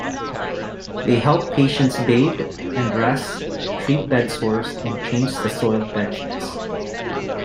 They help patients bathe and dress, treat bedsores and change soiled bed sheets.